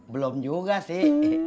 belum juga sih